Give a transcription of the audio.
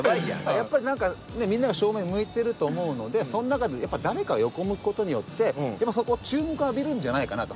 やっぱり何かみんなが正面向いてると思うのでその中で誰かは横向くことによってそこを注目浴びるんじゃないかなと。